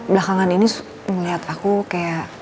belakangan ini ngelihat aku kayak